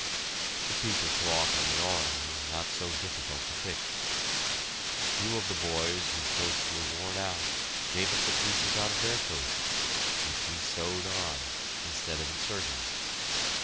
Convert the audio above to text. The piece of cloth on the arm was not so difficult to fix. Two of the boys whose coats were worn out gave us the pieces out of their coats, which we sewed on, instead of inserting.